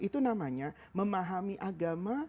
itu namanya memahami agama